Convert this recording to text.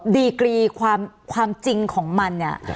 ดีกรีความจริงของมันเนี่ย